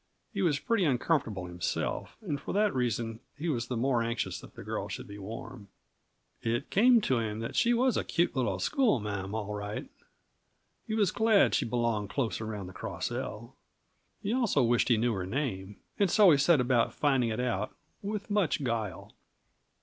He was pretty uncomfortable himself, and for that reason he was the more anxious that the girl should be warm. It came to him that she was a cute little schoolma'am, all right; he was glad she belonged close around the Cross L. He also wished he knew her name and so he set about finding it out, with much guile.